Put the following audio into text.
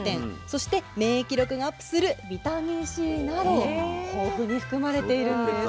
そして免疫力がアップするビタミンＣなど豊富に含まれているんです。